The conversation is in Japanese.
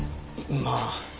まあ。